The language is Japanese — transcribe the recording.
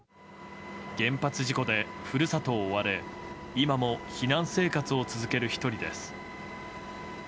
原発事故で故郷を追われ今も避難生活を続ける１人です。